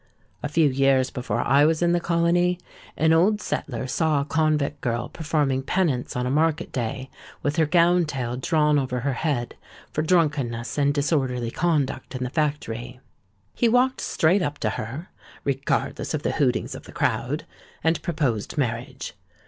A few years before I was in the colony, an old settler saw a convict girl performing penance on a market day, with her gown tail drawn over her head, for drunkenness and disorderly conduct in the Factory. He walked straight up to her—regardless of the hootings of the crowd—and proposed marriage.